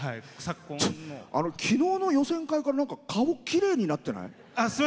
きのうの予選会から顔、きれいになってない？